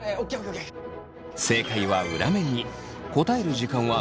正解は裏面に。